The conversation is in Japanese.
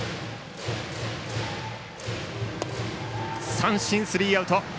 三振、スリーアウト。